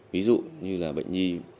ví dụ như là bệnh nhi dễ bị viêm